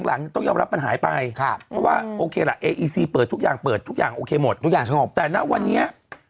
อะไรไม่ได้